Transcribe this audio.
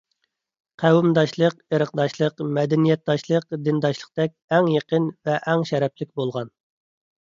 قەۋمداشلىق، ئىرقداشلىق، مەدەنىيەتداشلىق، دىنداشلىقتەك ئەڭ يېقىن ۋە ئەڭ شەرەپلىك بولغان.